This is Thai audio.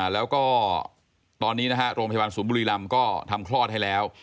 แล้วก็ตอนนี้นะฮะโรงพยาบาลศูนย์บุรีรำก็ทำคลอดให้แล้ว